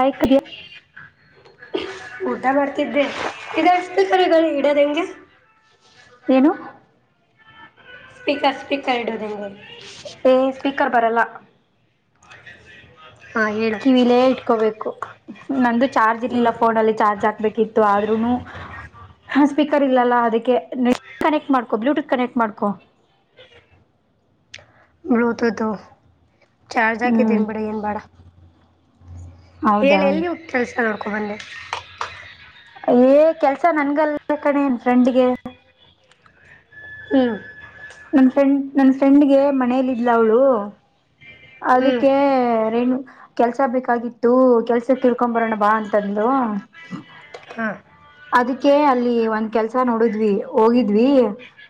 ಆಯ್ಕಯ ಊಟ ಮಾಡ್ತಿದ್ದೆ ಇ ಅಷ್ಟೇ ಸರಿ ಈ ಇಡದ ಹೆಂಗೆ ಏನು ಸ್ಪೀಕರ್ ಸ್ಪೀಕರ್ ಇಡೋದು ಹೆಂಗೆ ಪೇಸ್ಟ್ ಸ್ಪೀಕರ್ ಬರಲ್ಲ ಹಾಂ ಹೇಳು ಕಿವಿಲೇ ಇಟ್ಕೋಬೇಕು ನಂದು ಚಾರ್ಜ್ ಹ್ಞೂ ಇರ್ಲಿಲ್ಲ ಫೋನಲ್ಲಿ ಚಾರ್ಜ್ ಆಗ್ಬೇಕಿತ್ತು ಆದ್ರೂನು ಹ ಸ್ಪೀಕರ್ ಇಲ್ಲಲ್ಲ ಅದಕ್ಕೆ ಕನೆಕ್ಟ್ ಮಾಡ್ಕೊ ಬ್ಲೂಟೂತ್ ಕನೆಕ್ಟ್ ಮಾಡ್ಕೊ ಬ್ಲೂಟೂತ್ ಚಾರ್ಜ ಹ್ಮ್ ಹಾಕಿದ್ದೇನ್ ಬಿಡ ಏನ್ ಬೇಡ ಹೇಳ ಹೌದಾ ಎಲ್ಲಿ ಹೋಗತಸ ಸಲ್ಲಡ್ಕ ಬೇ ಏ ಕೆಲ್ಸ ನನ್ಗಲ್ಲ ಕಣೇ ನ್ ಫ್ರೆಂಡ್ಗೆ ಹ್ಮ್ ನನ್ನ ಫ್ರೆಂಡ್ ನನ್ನ ಫ್ರೆಂಡ್ಗೆ ಮನೇೆಯಲ್ಲಿ ಇದ್ಲ ಅವಳು ಹ್ಞೂ ಅದಕ್ಕೆೇ ನು ಕೆಲ್ಸ ಬೇಕಾಗಿತ್ತು ಕೆಲ್ಸಕ್ ಇರ್ಕೊ ಬರೋಣ ಬಾ ಅಂತಂದ್ಲು ಹಾಂ ಅದಕ್ಕೆ ಅಲ್ಲಿ ಒಂದ್ ಕೆಲ್ಸ ನೋಡಿದ್ವಿ ಹೋಗಿದ್ವಿ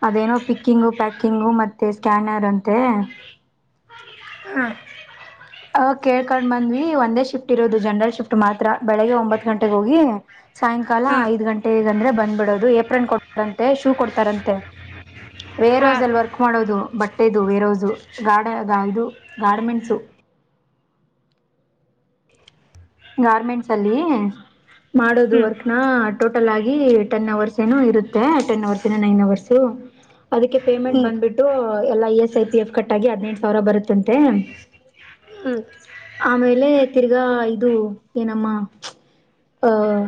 ಅದೇನೋ ಪಿಕ್ಕಿಂಗು ಪ್ಯಾಕಿಂಗು ಮತ್ತೆ ಸ್ಕ್ಯಾನರ್ ಅಂತೆ ಅ ಕೇಳ್ಕೊಂಡ್ ಬಂದ್ವಿ ಒಂದೇ ಶಿಫ್ಟ್ ಇರೋದು ಜನರಲ್ ಶಿಫ್ಟ್ ಮಾತ್ರ ಬೆಳಿಗ್ಗೆ ಒಂಬತ್ ಗಂಟೆಗೆ ಹೋಗಿ ಸಾಯಂಕಾಲ ಹಾಂ ಐದ್ ಗಂಟೆಗ ಅಂದ್ರೆ ಬಂದ್ಬಿಡೋದು ಏಪ್ರಿಲ್ ಕೊಡ್ತಾರಂತೆ ಶೂ ಕೊಡ್ತಾರಂತೆ ಹಾಂ ಬೇರೋಸ್ ಹಾಂ ಅಲ್ಲಿ ವರ್ಕ್ ಮಾಡೋದು ಬಟ್ಟೆದು ಬೇರೋ ಗಾಡ ಇದು ಗಾರ್ಮೆಂಟ್ಸ ಗಾರ್ಮೆಂಟ್ಸ್ ಅಲ್ಲಿ ಮಾಡೋದು ಹ್ಞೂ ವರ್ಕ್ನ ಆಟೋ ಟ ಅವರ್ ಏ ಇರುತ್ತ ಟ ಏ ಅಂ ಬಂದಬಟ್ಟು ಎ ಕ ಆ ಹದ ಸಾವಿರ ಬರುತ್ತ ಹ್ಞೂ ಆಮೇ ತಿಗ ಅದು ಏನಮ್ಮ ಅಹ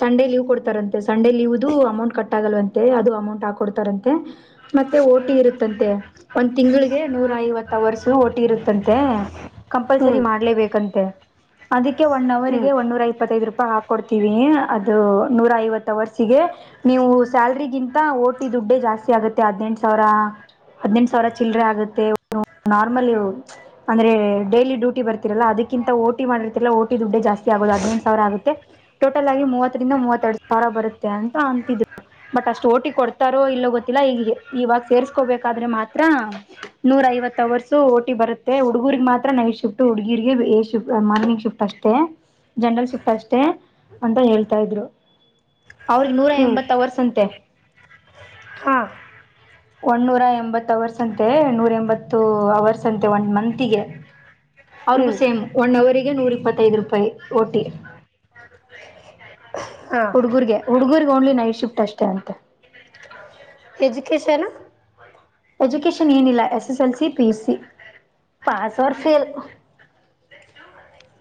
ಸಂಡೇ ಲೀವ್ ಕೊಡ್ತಾರಂತೆ ಸಂಡೆ ಲೀವ್ ಅಮೌಂಟ್ ಕಟ್ ಆಗಲ್ವಂತೆ ಅದು ಅಮೌಂಟ್ ಹಾಕಕೊಡ್ತಾರಂತೆ ಮತ್ತೆ ಓಟಿ ಇರುತ್ತಂತೆ ಒಂದ್ ತಿಂಗಳಿಗೆ ನೂರ ಐವತ್ತು ಅವರ್ಸ ಓಟಿ ಇರುತ್ತಂತೆ ಕಂಪಲ್ಸರಿ ಹ್ಞೂ ಹ್ಞೂ ಮಾಡ್ಲೇಬೇಕಂತ ತ್ತೆ ಅದಕ್ಕೆ ಒನ್ ಹ್ಞೂ ಅವರ್ಗೆ ಒೂರ ಇಪ್ಪತ್ತೈದು ರೂಪಾಯಿ ಹಾಕೊಡ್ತೀವಿ ಅದು ನೂರ ಐವತ್ತು ವರ್ಸಿಗೆ ನೀವು ಸ್ಯಾಲ್ರಿಗಿಂತ ಓಟಿ ದುಡ್ಡೇ ಜಾಸ್ತಿ ಆಗುತ್ತೆ ಹದ್ನೆಂಟು ಸಾವಿರ ಹದ್ಿನಂ ಸಾವಿರ ಚಿಲ್ಲರೆ ಆಗುತ್ತೆ ನಾರ್ಮಲ್ ಅಂದ್ರೆ ಡೈಲಿ ಡ್ಯೂಟಿ ಬರ್ತರಲ್ಲಾ ಅದಕ್ಕಿಂತ ಓಟಿ ಮಾಡ ಓಟಿ ದುಡ್ಡೆ ಜಾಸ್ತಿ ಆಗೋುದು ಹದ್ಿನಂು ಸಾವಿರ ಆಗುತ್ತೆ ಟೋಟಲ್ ಆಗಿ ಮೂವತ್ತರಿಂದ ಮೂವತ್ತೆರಡು ಸಾವಿರ ಬರುತ್ತೆ ಅಂತ ಅಂತಿದ್ರು ಬಟ್ ಅಷ್ಟು ಓಟಿ ಕೊಡ್ತಾರೋ ಇಲ್ಲೋ ಗೊತ್ತಿಲ್ಲ ಈ ಇವಾಗ ಸೇರ್ಸ್ಕೋಬೇಕಾದ್ರೆ ಮಾತ್ರ ನೂರ ಐವತ್ ಅವರ್ಸ ಓಟಿ ಬರುತ್ತೆ ಹುಡುಗೂರ್ರಿಗೆ ಮಾತ್ರ ನೈಟ್ ಶಿಫ್ಟ್ ಹುಡುಗರಿಗೆ್ಟ ಮಾರ್ನಿಂಗ್ ಶಿಫ್ಟ್ ಅಷ್ಟೇ ಜನರಲ್ ಸು್ಟ ಅಷ್ಟೇ ಅಂತ ಹೇಳ್ತಾ ಇದ್ರು ಅವ್ರಿಗೆ ನೂರ ಹ್ಞೂ ಎಂಬತ್ ಅವರ್ಸಂತೆ ಹಾಂ ಒಂದು ನೂರಎಂಬತ್ತು ಅವರ್ಸ್ ಅಂತೆ ನೂರ ಎಂಬತ್ತು ಅವರ್ಸ್ ಅಂತೆ ಒಂದು ಮಂತಿಗೆ ಹ್ಞೂ ಅವ್ರಿಗೂ ಸೇಮ್ ಒನ್ ಅವರ್ ನೂರು ಇಪ್ಪತ್ತ ಐದು ರೂಪಾಯಿ ಓಟಿ ಹಾಂ ಹುಡುಗುರ್ಗೆ ಹುಡುಗುರ್ ಓನ್ಲಿ ನೈಟ್ ಶಿಫ್ಟ್ ಅಷ್ಟೇ ಅಂತೆ ಎಜುಕೇಶನ್ ಎಜುಕೇಶನ್ ಏನಿಲ್ಲ S S L C P S C pass or fail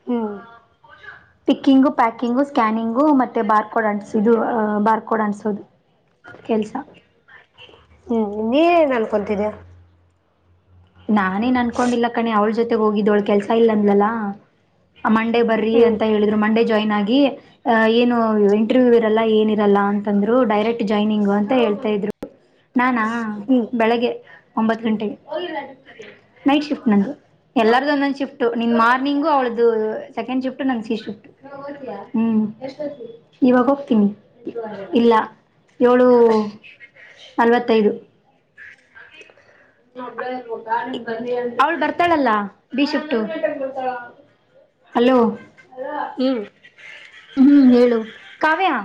ಹ್ಞೂ ಪಿಕ್ಕಿಂಗು ಪ್ಯಾಕಿಂಗು ಸ್ಕ್ಯಾನಿಂಗು ಮತ್ತೆ ಬಾರ್ ಕೋಡ್ ಅನ್ಸದು ಬಾರ್ ಕೋಡ್ ಅನ್ಸೋದು ಕೆಲಸ ನೀನ್ ಅನ್ಕೊತಿದೀಯಾ ನಾನೇನ್ ಅನ್ಕೊಂಡಿಲ್ಲ ಕಣೆ ಅವ್ಳ ಜೊತೆ ಹೋಗಿದ್ದವಳ ಕೆಲ್ಸ ಇಲ್ಲ ಅಂದ್ಲಲ್ಲ ಮಂಡೇ ಬರ್ರಿ ಹ್ಞೂ ಅಂತ ಹೇಳಿದ್ರು ಮಂಡೇ ಜಾಯ್ನ್ ಆಗಿ ಅ ಏನು ಇಂಟರ್ವ್ಯೂ ಇರಲ್ಲ ಏನಿರಲ್ಲ ಅಂತಂದ್ರು ಡೈರೆಕ್ಟ್ ಜಾಯ್ನಿಂಗ ಅಂತ ಹೇಳ್ತಾ ಇದ್ರು ನಾನಾ ಹಾ ಹ್ಞೂ ಬೆಳಗ್ಗೆ ಒಂಬತ್ ಗಂಟೆಗೆ ನೈಟ್ ಶಿಫ್ಟ್ ನ ಎಲ್ಲಾರ್ದು ಒಂದೊಂದು ಶಿಫ್ಟು ನಿ ಮಾರ್ನಿಂಗು ಅವಳ್ದು ಸೆಕೆಂಡ್ ಶಿಫ್ಟ್ ನ ಶಿಫ್ಟ್ಮ ಇವಾಗ ಹೋಗ್ತೀನಿ ಇಲ್ಲ- ಅಲ್ವತ್ತೈದು ಅವಳು ಬರ್ತಾಳಲ್ಲ ಭೀಶಫ್ಟು ಹಲೋ ಹ್ಮ್ ಹ್ಮ ಹೇಳು ಕಾವ್ಯಾ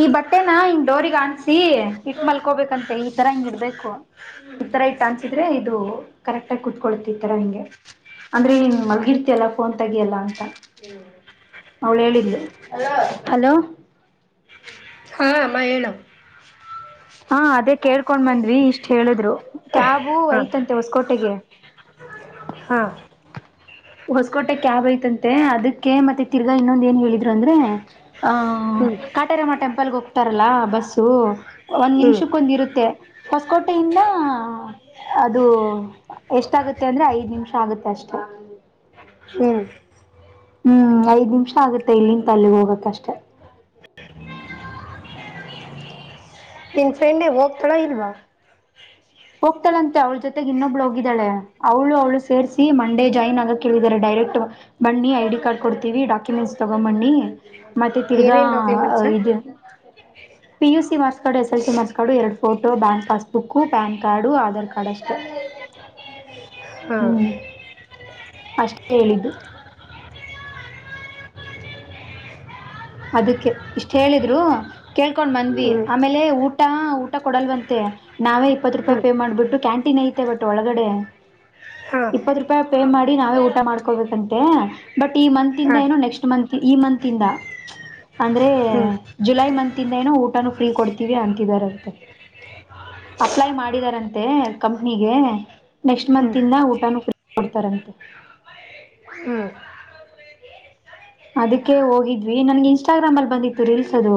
ಈ ಬಟ್ಟೆನ ಹಂಗ್ ಡೋಗ್ ಅನ್ಸಿ ಇಟ್ಟ ಮಲ್ಕೋಬೇಕಂತೆ ಈತರ ಹಿಂಗ ಇಡ್ಬೇಕು ಈತರ ಇಟ್ಟ ಅನ್ಸಿದ್ರೆ ಇದು ಕರೆಕ್ಟ್ ಆಗ ಕೂತ್ಕೊಳ್ತಿ ಈತರ ಹಿಗೆ ಅಂದ್ರೆನ್ ಮಲ್ಗಿರ್ತಯಲ್ಲ ಫೋನ್ ತಗಿ ಎಲ್ಲ ಅಂತ ಅವಳ ಹೇಳ ಹಲೋ ಹ್ಮ ಹೇಳ್ ಹಾ ಅದೇ ಕೇಳ್ಕೊಂಡ್ ಬಂದಿ ಇಷ್ಟ್ ಹೇಳಿದ್ರು ಕ್ಯಾಬು ಹಾಂ ಐತಂತೆ ಹೊಸಕೋಟೆಗೆ ಹಾ ಹೊಸಕೋಟೆ ಕ್ಯಾಬ್ ಐತಂತೆ ಅದಕ್ಕೆ ಮತ್ತೆ ತಿರ್ಗಾ ಇನ್ನೊಂದ ಏನ್ ಹೇಳಿದ್ರು ಅಂದ್ರೆ ಹ ಹ್ಮ್ ಕಾಟರ ಮಟಮ ಕಲ್ಲಗ್ ಹೋಗ್ತಾರಲ್ಲ ಬಸ್ಸು ಒಂದ್ ಹ್ಮ್ ನಿಮಿಷಕ್ಕೊಂದ ಇರುತ್ತೆ. ಹೊಸಕೋಟೆಯಿಂದ ಅ ಅದು ಎಷ್ಟಾಗುತ್ತೆ ಅಂದ್ರೆ ಐದ್ ನಿಮಿಷ ಆಗುತ್ತೆ ಅಷ್ಟೆ. ಹ ಅದ್ನೇ ಹ್ಮ್ ಕೇಳಿದೆ. ಹ್ಮು ಐದ್ ನಿಮಿಷ ಆಗತ್ತೆ ಇಲ್ಲಿಂದ ಅಲ್ಲಿಗೆ ಹೋಗೋಕೆ ಅಷ್ಟೇ. ನಿನ್ನ್ ಫ್ರೆಂಡೇ ಹೋಗ್ತಾಳೋ ಇಲ್ವಾ. ಹೋಗ್ತಾಳಂತೆ ಅವಳ ಜೊತೆಗೆ ಇನ್ನೊಬ್ಳು ಹೋಗಿದ್ದಾಳೆ ಅವ್ಳು ಅವಳು ಸೇರ್ಸಿ ಮಂಡೆ ಜಾಯ್ನ್ ಆಗಕ್ ಹೇಳಿದ್ದಾರೆ ಡೈರೆಕ್ಟ್ರ್ ಬನ್ನಿ ಐಡಿ ಕಾರ್ಡ್ ಕೊಡ್ತೀವಿ ಡಾಕ್ಯುಮೆಂಟ್ಸ್ ತಗೊಂಡ್ ಬನ್ನಿ ಮತ್ತೆ ತಿರ್ಗಾ ಏನೇನ್ ಅ ಡಾಕ್ಯುಮೆಂಟ್ಸ್ ಇದು PUC marks card SLC marks card ಎರಡು photo bank passbook PAN card, Aadhaar card ಅಷ್ಟೆ. ಹಾ ಹ್ಮ್ ಅಷ್ಟೇ ಹೇಳಿದ್ದು. ಅದಕ್ಕೆ ಇಷ್ಟ ಹೇಳಿದ್ರು ಕೇಳ್ಕೊಂಡ್ ಬಂದ್ವಿ ಹ್ಮ್ ಆಮೇಲೆ ಊಟ ಊಟ ಕೊಡಲ್ವಂತೆ ನಾವೇ ಇಪ್ಪತ್ ರೂಪಾಯಿ ಹ್ಮ್ ಪೇ ಮಾಡ್ಬಿಟ್ಟು ಕ್ಯಾಂಟೀನ್ ಐತೆ ಬಟ್ ಒಳಗಡೆ ಹಾ ಇಪ್ಪತ್ ರೂಪಾಯಿ ಪೇ ಮಾಡಿ ನಾವೇ ಊಟ ಮಾಡ್ಕೋಬೇಕಂತೆ ಬಟ್ ಈ ಮಂತ್ ಇಂದ ಹಾ ಏನು ನೆಕ್ಸ್ಟ್ ಮಂತ್ ಈ ಮಂತ್ ಇಂದ ಅಂದ್ರೆ ಹ್ಮ್ ಜುಲೈ ಮಂತ್ ಇಂದ ಏನೋ ಊಟಾನು ಫ್ರೀ ಕೊಡ್ತೀವಿ ಅಂತಿದಾರಂತೆ ಅಪ್ಲೈ ಮಾಡಿದಾರಂತೆ ಕಂಪ್ನಿಗೆ ನೆಕ್ಸ್ಟ್ ಮಂತ ಹ್ಮ್ ಇಂದ ಊಟ ಫ್ರೀ ಕೊಡ್ತಾರಂತೆ. ಹ್ಮ್ ಅದಕ್ಕೆ ಹೋಗಿದ್ವಿ ನನ್ಗೆ ಇನ್ಸ್ಟಾಗ್ರಾಮ್ ಅಲ್ಲಿ ಬಂದಿತ್ತು ರೀಲ್ಸ್ ಅದು.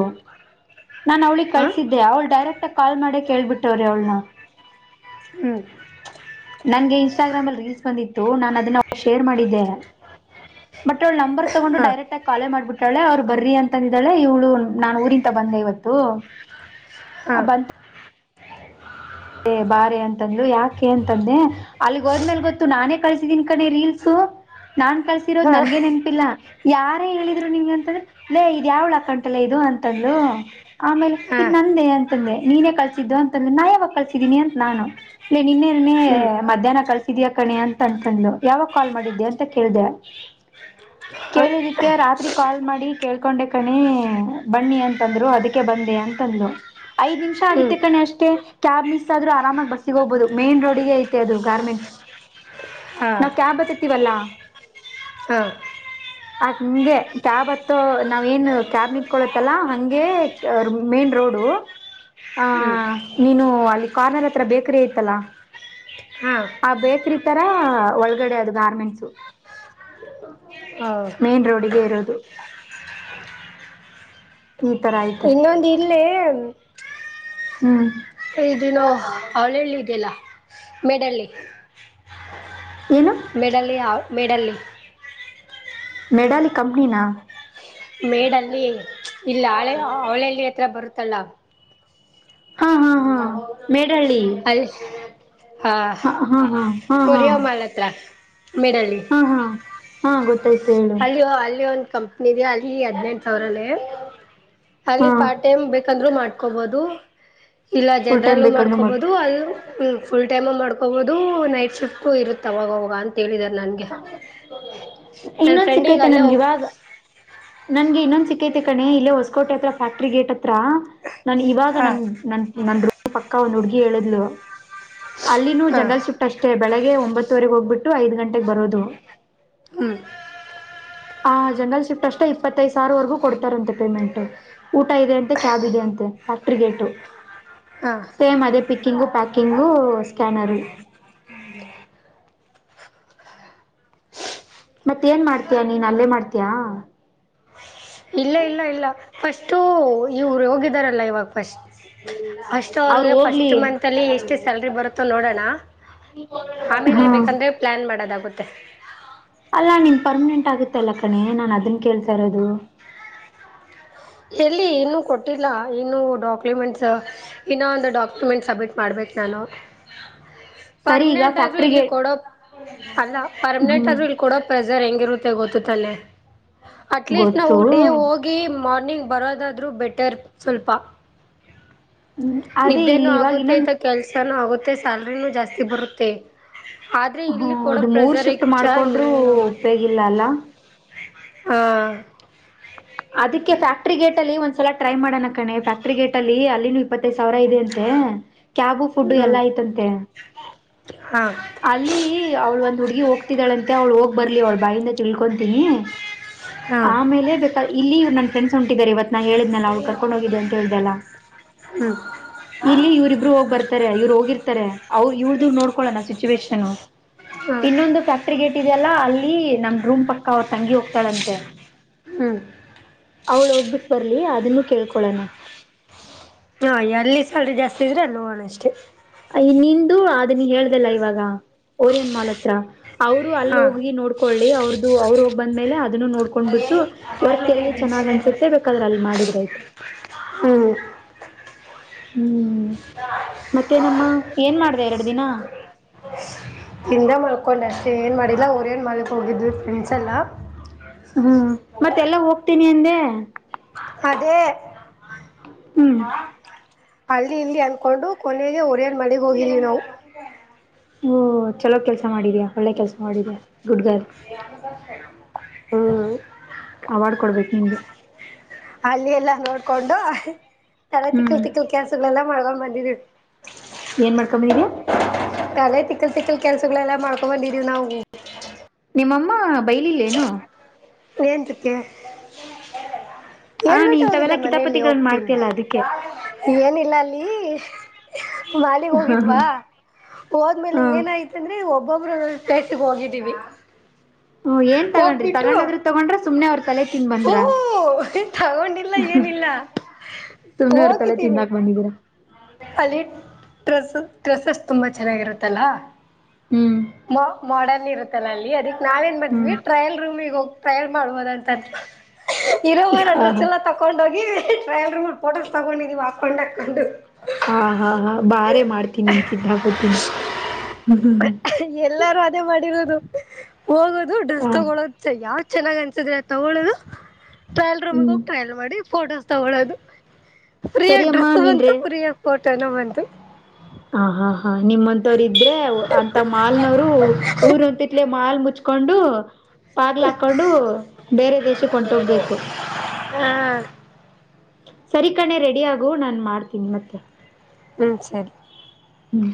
ನಾನನ್ ಅವಳಿಗೆ ಹಾ ಕಳ್ಸಿದ್ದೆ ಅವಳ ಡೈರೆಕ್ಟ್ ಕಾಲ್ ಮಾಡ ಕೇಳ್ಬಿಟ್ಟವ್ರ ಅವಳ್ನ ಹ್ಮ್ ನನ್ಗೆ ಇನ್ಸ್ಟಾಗ್ರಾಮ್ ಅಲ್ಲಿ ರೀಲ್ಸ್ ಬಂದಿತ್ತು ನಾನ್ ಅದನ್ನ ಶೇರ್ ಮಾಡಿದ್ದೆ ಬಟ್ ಅವಳ್ ನಂಬರ್ ತಗೊಂಡು ಹಾ ಡರೆಕ್ಟ್ ಆಗಿ ಕಾಲೆ ಮಾಡ್ಬಿ ತಳ ಅವ್ರ್ ಬರ್ಲಿ ಅಂತಂದಿದಾಳೆ ಇವಳು ನಾ ಊರಿ ತ ಬಂದೆ ಇವತ್ತು ಹಾ ಬಂದ್ ಎ ಬಾರೆ ಅಂತಂದ್ಲು ಯಾಕೆ ಅಂತಂದೆ ಅಲ್ಲಿಗ್ ಹೋದ್ಮೇಲ್ ಗೊತ್ತು ನಾನೇ ಕಳ್ಸಿದೀನ್ ಕನೇ ರೀಲ್ಸು ನಾನ್ ಕಳ್ಸಿರೋದ್ ನನ್ಗೆ ಹಾ ನೆನಪಿಲ್ಲ. ಯಾರೇ ಹೇಳಿದ್ರು ನಿಮ್ಗೆ ಆತರ ಲೇ ಇದ್ ಯಾವಳ್ ಅಕೌಂಟಲೇ ಇದು ಅಂತಂದ್ಲು ಆಮೇಲೆ ಹಾ ಇದ್ ನಂದೇ ಅಂತಂದೆ ನೀನೇ ಕಳ್ಸಿದ್ದು ಅಂತಂದೆ ನಾ ಯಾವಾಗ ಕಳ್ಸಿದ ತ್ತಿದಿನಿ ಅಂತ್ ನಾನು ಎ ನಿನ್ನೆನೇ ಹ್ಮ್ ಮಧ್ಯಾಹ್ನ್ ಕಳಸಿದೀಯ ಕಣೆ ಅಂತ ಅಂತಂದ್ಲು ಯಾವಾಗ ಕಾಲ್ ಮಾಡಿದ್ದೆ ಅಂತ ಕೇಳ್ದೆ ಹಾ ಕೇಳಿದಿಕ್ಕೆ ರಾತ್ರಿ ಕಾಲ್ ಮಾಡಿ ಕೇಳ್ಕೊಂಡೆ ಕಣೆ ಬನ್ನಿ ಅಂತಂದ್ರು ಅದಕ್ಕೆ ಬಂದೆ ಅಂತಂದ್ಲು ಐದ್ ನಿಮಿಷ ಹ್ಮ್ ಆಗತ್ತೆ ಕಣೆ ಅಷ್ಟೇ ಕ್ಯಾಬ್ ಮಿಸ್ [unintelligible] ಆರಾಮ ಬಸ್ಸಿಗೆ ಹೋಗ್ಬಹುದು ಮೈನ್ ರೋಡಿಗೆ ಐತೆ ಅದು ಗಾರ್ಮೆಂಟ್ಸ್ ನಾವ್ ಕ್ಯಾಬ್ ಹತತ್ತಿವಲ್ಲ ಹ ಆದ್ ಹಂಗೆ ಕ್ಯಾಬ್ ಹತ್ತೋ ನಾವ್ ಏನ್ ಕ್ಯಾಬ್ ನಿತ್ಕೊಳ್ಳತ್ತಲ್ಲ ಹಂಗೆ ಅ ಮೇನ್ ರೋಡು ಆ ಹ್ಮ್ ನೀನು ಅಲ್ಲಿ ಕಾರ್ನರ್ ಹತ್ರ ಬೆಕ್ರೀ ಐತ್ತಲ್ಲ ಹಾ ಆ ಬೆಕ್ರೀ ತರ ಒಳಗಡೆ ಅದು ಗಾರ್ಮೆಂಟ್ಸ ಹಾ ಮೇನ್ ರೋಡಿಗೆ ಇರೋದು. ಈ ತರ ಐತೆ ಇನ್ನೊಂದ ಇಲ್ಲೇ ಹ್ಮು ಇದನು ಅವ್ಳ ಹೇಳಿದಿಲ್ಲ. ಮೇಡಳ್ಳಿ ಏನು ಮೇಡಳ್ಳಿ ಆ ಮೇಡಳ್ಳಿ. ಮೆಡಲ್ ಕಂಪನಿನಾ. ಮೇಡಲ್ಲಿ ಇಲ್ಲಿ [unintelligible] ಹತ್ರ ಬರು ತ್ತಲ್ಲಾ ಹಾ ಹಾ ಹಾ ಮೇ ಮೇಡಳ್ಳಿ ಅಲ್ಲಿ ಆ ಹಾ ಹಾ ಹಾ ಹಾ. ಮೇಡಳ್ಳಿ ಹಾ ಹಾ ಹಾ ಗೋ ಅಲ್ಲಿೋ ಅಲ್ಲಿಯ ಒಂದು ಸಂ ಅಲ್ಲಿ ಹದ್ನೆಂ ಸಾವಿರನೇ ಅಲ್ಲಿ ಹಾ ಪಾರ್ಟ್ ಟೈಮ್ ಬೇಕಂದ್ರು ಮಾಡ ಹಕೋಬೋದು ಇಲ್ಲ ಫುಲ್ ಟೈಮ್ ಜನರಲ್ಲ ಬೇಕಾದ್ರೂ ಮಾಡ್ಕೊ ಮಾಡ್ಕೋಬಹುದು ಅದು ಫುಲ್ ತ ಮಾಡ ಹೋಗೋದು ನೈಟ್ ಶಿಫ್ಟ್ ಇರುತ್ತ ಅವಾಗ ಹೋಗಾಗ ಅಂತ ಹೇಳಿದ್ದಾರೆ ನನ್ಗೆ. ಇನ್ನೊಂದು ಸಿಕ್ಕೈತೆ ನನ್ಗೆ ಇವಾಗ ನನ್ಗೆ ಇನ್ನೊಂದ್ ಸಿಿಕೈತಿ ಕಣೆ ಇಲ್ಲೇ ಹೊಸಕೋಟೆ ಹತ್ರ ಫ್ಯಾಕ್ಟ್ರಿ ಗೇಟ್ ಹತ್ರ ನಾನ ಇವಾಗ ಹಾಂ ನನ್ ನ ನನ್ ಪಕ್ಕ ಒಂದು ಹುಡುಗಿ ಳುದಿಲ್ಲ ಅಲ್ಲಿನೂ ಹಾಂ ಜನರಲ್ ಶಿಫ್ಟ್ ಅಷ್ಟೇ ಬೆಳಗ್ಗೆ ಒಂಬತ್ತು ವರೆ ಹೋಗ್ಬಟ್ಟು ಐದುಂಟೆ ಬರೋದು ಹ್ಮ ಆ ಜನರಲ್ ಶಿಫ್ಟ್ ಅಷ್ಟ ಇಪ್ಪತ್ತೈದು ಸಾವಿರ ವರೆಗೂ ಕೊಡ್ತಾರಂತೆ ಪೇಮೆಂಟ್ ಊಟ ಇದೆ ಅಂತೆ ಕ್ಯಾಬ್ ಇದೆ ಅಂತೆ ಫ್ಯಾಕ್ಟ್ರಿ ಗೇಟು ಹಾಂ ಸೇಮ್ ಅದೇ ಪಿಂಗ್ ಪ್ಯಾಕ್ ಹಂಗು ಹ ಮತ್ತೇಏನ್ ಮಾಡ್ತಯ ನೀನ್ ಅಲ್ಲೇ ಮಾಡ್ತಯ ಇಲ್ಲ ಇಲ್ಲ ಇಲ್ಲ ಫಸ್ಟು ಇವರು ಹೋಗಿದಾರಲ್ಲ ಇವಾಗ ಫಸ್ಟ್ ಫಸ್ಟ್ ಅವ್ರು ಅವರ್ಗ ಹೋಗ್ಲಿ ಫಸ್ಟ್ ಮತ್ ಅಲ್ಲಿ ಎಷ್ಟು ಸ್ಯಾಲ್ರಿ ಬರುತ್ತೋ ನೋಡೋಣ ಆಮೇಲೆ ಹಾ ಬೇಕಂದ್ರೆ ಪ್ಲಾನ್ ಮಾಡೋದಾಗುತ್ತೆ ತ್ತ ಅಲ್ಲಾ ನೀನ್ ಪರ್ಮನೆಂಟ್ ಆಗುತ್ತೆ ಎಲ್ಲ ಕಣೆ ನಾನ್ ಅದನ್ ಕೇಳ್ತಾ ಇರೋದು ಎಲ್ಲಿ ಇನ್ನೂ ಕೊಟ್ಟಿಲ್ಲ ಇನ್ನೂ ಡಾಕ್ಯುಮೆಂಟ್ಸ್ ಇನ್ನೂ ಒಂದು ಡಾಕ್ಯುಮೆಂಟ್ ಸಬ್ಮಿಟ್ ಮಾಡಬೇಕು ನಾನು ಸರಿ ಈಗ ಪರ್ಮನೆಂಟ್ ಆದ್ರೂ ಇಲ್ಲಿ ಫ್ಯಾಕ್ಟ್ರಿಗೆ ಕೊಡೋ ಅಲ್ಲ ಪರ್ಮನೆಂಟ್ ಹ್ಮ್ ಆದ್ರೂ ಇಲ್ಲಿ ಕೊಡೋ ಪ್ರೆಸರ್ ಹೆಂಗಿರು ಗೊತ್ತುತ್ತಲೆೆ ಅಟ್ಲೀಸ್ಟ್ ನಾವು ಗೊತ್ತು ಡೇ ಹೋಗಿ ಮಾಡ ಮಾರ್ನಿಂಗ್ ಬರೋದಾದ್ರೂ ಬೆಟರ್ ಸ್ವಲ್ಪ ಹ್ಮ್ ಅದೇ ನಿದ್ದೆನೂ ಇಲ್ಲಿ ಇವಾಗ ಆಗುತ್ತೆ ಇನ್ನೊಂದು ಆಯ್ತಾ ಕೆಲ್ಸಾನೂ ಆಗುತ್ತೆ ಮತ್ತೆ ಸ್ಯಾಲ್ರಿಿನೂ ಜಾಸ್ತಿ ಬರುತ್ತೆ ಆದರೆ ಹ್ಮ ಇಲ್ಲಿ ಕೊಡೋ ಇದು ಮೂರ್ ಶಿಫ್ಟ್ ಪ್ರೆಸರಿಗೆ ಚಾ ಮಾಡ್ಕೊಂಡ್ರರು ನೀವೇನೋ ಉಪೇಗಿಲ್ಲ ಅಲ್ಲ ಹಾ ಅದಕ್ಕೆ ಫ್ಯಾಕ್ಟ್ರಿ ಗೇಟ್ ಅಲ್ಲಿ ಒಂದ್ಸಲ ಟ್ರೈ ಮಾಡಣ ಕಣೆ ಫ್ಯಾಕ್ಟ್ರಿ ಗೇಟ್ ಅಲ್ಲಿ ಅಲ್ಲಿ ಇಪ್ಪತ್ತೈದು ಸಾವಿರ ಇದೆ ಅಂತೆ ಕ್ಯಾಬು ಫುಡ್ ಎಲ್ಲ ಹ್ಞೂ ಆಯ್ತಂತೆ ಹಾಂ ಅಲ್ಲಿ ಅವಳು ಒಂದ್ ಹುಡ್ಗಿ ಹೋಗ್ತಿದ್ದಾಳಂತೆ ಅವ್ಳು ಹೋಗಿ ಬರ್ಲಿ ಅವಳ ಬಾಯಿಂದ ತಿಳ್ಕೊತೀನಿ ಹಾಂ ಆಮೇಲೆ ಇಲ್ಲಿ ಇವ್ರು ನನ್ನ ಫ್ರೆಂಡ್ ಹೊಂಟಿದಿದ್ದಾರೆ ಇವತ್ ನಾ ಹೇಳಿದ್ನ ಅವ್ಳ ಕರ್ಕೊಂಡ್ ಹೋಗಿದ್ದಿದೆ ಅಂತ ಹೇಳ್ದಲ್ಲ ಹ್ಞೂ ಇಲ್ಲಿ ಇವ್ರ ಇಬ್ರು ಹೋಗ್ ಬರ್ತಾರೆ ಇವ್ರು ಹೋಗಿರ್ತಾರೆ ಅವ್ರು ಇವಳ್ದ ನೋಡ್ಕೊಳೋಣ ಸಿಚುವೇೇಶನ್ ಹಾಂ ಇನ್ನೊಂದು ಫ್ಯಾಕ್ಟ್ರಿ ಗೇಟ್ ಇದೆಯಲ್ಲಾ ಅಲ್ಲಿ ನಮ ರೂಮ್ ಪಕ್ಕ ಅವ್ರ ತಂಗಿ ಹೋಗ್ತಾಳಂತೆ ಹ್ಞೂ ಅವಳ ಹೋಗ್ಬಿಟ್ಟ ಬರ ಲಿ ಅದನ್ನು ಕೇಳ್ಕೊಳೋಣ ಹಾ ಎಲ್ಲಿ ಸಲ್ರಿ ಜಾಸ್ತಿ ಇದ್ರೆ ಅಲ್ಲಿ ಹೋಗಣ ಅಷ್ಟೆ ನಿಂದು ಅದ ನೀ ಹೇಳ್ದಲ್ಲ ಇವಾಗ ಓರಿಯನ್ ಮಾಲ್ ಹತ್ರ ಅವ್ರು ಅಲ್ಲಿ ಹಾಂ ಹೋಗಿ ನೋಡ್ಕೊಳ್ಳಿ ಅವ್ರದು ಅವರು ಬಂದ್ಮೇಲೆದು ನೋಡ್ಕೊಂಡ್ ಬಿಟ್ಟು ವರ್ಕ್ ಎಲ್ಲಿ ಚೆನ್ನಾಗ್ ಅನ್ಸುತ್ತೆ ಬೇಕಾದ್ರೆ ಅಲ್ಲಿ ಮಾಡಿದ್ರ ಆಯ್ತು ಹ್ಞೂ ಹ್ಮ್ ಮತ್ತೆ ನಮ್ಮ ಏನ್ ಮಾಡ್ದ ಎರಡು ದಿನ ತಿಂದ ಮಲ್ಕೊಂಡು ಅಷ್ಟೇ ಏನು ಮಾಡಿಲ್ಲ ಓರಿಯನ್ ಮಾಲ್ ಗೆ ಹೋಗಿದ್ವಿ ಫ್ರೆಂಡ್ಸ್ ಎಲ್ಲ ಹ್ಮ ಮತ್ತೆಲ್ಲ ಹೋಗ್ತೀನಿ ಅಂದೆ ಹ ಅದೇ ಹ್ಮ್ ಅಲ್ಲಿ ಇಲ್ಲಿ ಅಂದ್ಕೊಂಡು ಕೊನೆಗೆ ಓರಿಯನ್ ಮಾಲ್ ಗೆ ಹೋಗಿದ್ವಿ ನಾವು ಹಓ ಚಲೋ ಕೆಲ್ಸ ಮಾಡಿದ್ಯಾ ಒಳ್ಳೆ ಕೆಲ್ಸ ಮಾಡಿದ್ಯಾ [inaudible] ಗುಡ್ ಗರ್ಲ್ ಹ ಅವಡ್ ಕೊಡ್ಬೇಕು ನಿಮ್ಗೆ ಕೊಂಡು ತಲೆ ತಿಕಕ್ಕಲ್ ತಿಕಕ್ಕಲ್ ಕೆಲಸಗಳೆಲ್ಲ ಮಾಡ್ಕೊಂಡ್ ಬಂದಿದ್ದೀ ಏನ್ ಮಾಡ್ಕೊಂಡ್ ಬಂದಿದ್ಯಾ ತಳೆ ತಿಕ್ಕಲ್ ತಿಕ್ಕಲ್ ಕೆಲ್ಸಗಳೆಲ್ಲ ಮಾಡ್ಕೊ ಬಂದಿದೀವಿ ನಾವು ನಿಮ್ಮಮ್ಮ ಬೈಲುಲೇನು ಎಂತಕೆ ಆ ನೀ ಹೇಳ್ಬಿಟ್ಟು ಹೋಗಿದ್ದ ಇಂಥವೆಲ್ಲಾ ಮನೆಯಲ್ಲಿ ಕಿತಾಪತಿಗಳನ್ನ ಹೋಗ್ತೀನಿ ಮಾಡ್ತಿಯಲ್ಲ ಅದಕ್ಕೆ ಏನಿಲ್ಲ ಅಲ್ಲಿ ಮಾಲೆಗ್ ಹ ಹೋಗಿದ್ವಾ ಹೋದ್ಮೇಲೆ ಹ ಏನಾಯ್ತಂದ್ರೆ ಒಬ್ಬ ಒಬ್ಬೊಬ್ಬ್ರ ಸೆಟ್ಟಿಗೆ ಹೋಗಿದ್ದೀವಿ ಹ ಏನ್ ತಗೊಂಡ್ರಿ ಹೋಗ್ಬಿಟ್ಟು ತಗೊಂಡದ್ರ ತಗೊಂಡ್ರ ಸುನೆ ತಲೆ ತಿನ್ ಬಂದ್ರ ಓಹೋ ತಗೊಂಡಿಲ್ಲ ಏನಿಲ್ಲ ಸುಮ್ನೆವ್ರ ತಲೆ ಹೋಗಿದ್ದೀವಿ ತಿನ್ನಾಕ ಬಂದಿದೀರಾ ಅಲ್ಲಿ ಸ ಟ್ರೆಸಸ್ ತುಂಬಾ ಚೆನ್ನಾಗಿರುತ್ತಲ್ಲ ಹ್ಮ್ ಮ ಇರುತ್ತಲ್ಲ ಅಲ್ಲಿ ಅದಕ್ಕೆ ನಾವೇನ್ ಹ್ಮ್ ಬಂದೀವಿ ಟ್ರಯಲ್ ರೂಮ್ಗ್ ಹೋಗಿ ಟ್ರಯಲ್ ಮಾಡಬಹದಂತ ಇರೋ ಹಾ ಡ್ರೆಸ್ ಹಾ ಎಲ್ಲ ತಕೊಂಡ ಹೋಗಿ ಡೈವರ್ ೋಸ್ ತಗೊಂಡಿದೀ ಪೊಂಡ ಕಂಡು ಹಾ ಹಾ ಹಾ ಬಾರೆ ಮಾಡ್ತೀನಿ ನಿನ್ ಕಿದ್ದಾಪತಿನ ಹ್ಮ್ ಎಲ್ಲರೂ ಅದೇ ಮಾಡ ಇರದು ಹೋಗೋದು ಡ್ರೆಸ್ ಹಾ ತಗೊಳುತ್ತೆ ಯಾಕೆ ಚೆನ್ನಾಗ್ ಅನ್ಸಿದ್ರಿ ತಗೋಳೋುದು ಟ್ರಯಲ್ ರೂಮಿಗೆ ಹ್ಮ್ ಹೋಗ ಟ್ರಯಲ್ ಮಾಡ ಫೋಟೋಸ್ ತಗೊಳ್ಳೋದು ಸರಿ ಫೀಯಾಗಿ ಅಮ್ಮ ಡ್ರೆಸ್ ನೀನ್ರೆ ಬಂತು ಫ್ರಯ ಪೋಟ್ಟ ತನ ಬಂತ ಹ ಹಾ ಹಾ ನಿಮ್ಮಂತವ್ರ ಇದ್ರೆ ಮಾಲ್ನವರು ಊರಂತಲ ಹಾಲ್ ಮುಚ್ಕೊಂಡು ಪಾರ್್ಲ ಹಾಕೊಂಡು ಬೇರೆ ದೇಶಕ್ಕೆ ಹೊಂಟೋಗ್ಬೇಕು ಹಾ ಸರಿಕಣೆ ರೆಡಿ ಆಗು ನಾನನ್ ಮಾಡ್ತೀನಿ ಮತ್ತೆ ಹ್ಮ್ ಸರಿ ಹ್ಮ್